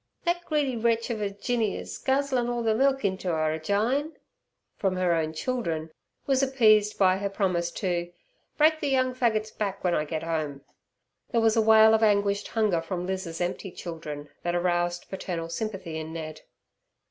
"Thet greedy wretch uv er Jinny is guzzlin' all ther milk inter 'a, Jyne," from her own children, was appeased by her promise to "break ther young faggit's back w'en I get 'ome." There was a wail of anguished hunger from Liz's empty children that aroused paternal sympathy in Ned.